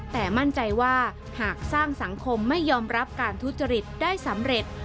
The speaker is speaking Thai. แต่มั่นใจว่าหากสร้างสังคมไม่ยอมรับการทุจริตได้สำเร็จ